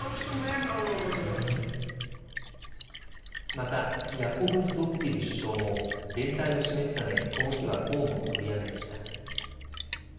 またヤコブスドッティル首相も連帯を示すためこの日は公務を取りやめました。